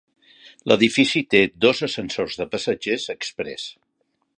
L'edifici té dos ascensors de passatgers exprés.